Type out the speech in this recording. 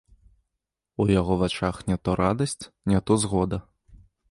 У яго вачах не то радасць, не то згода.